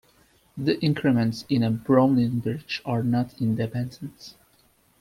The increments in a Brownian bridge are not independent.